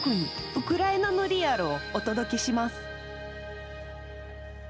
ウクライナのリアルをお届けします。